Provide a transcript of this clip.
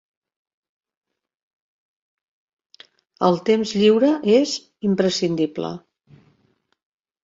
El temps lliure és imprescindible.